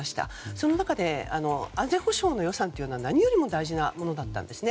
その中で安全保障の予算は何よりも大事なものだったんですね。